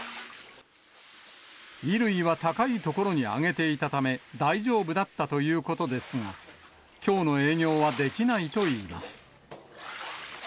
衣類は高い所に上げていたため、大丈夫だったということですが、きょうの営業はできないといいます。